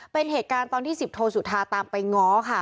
เป็นเหตุการณ์ตอนที่สิบโทสุธาตามไปง้อค่ะ